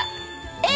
えっ？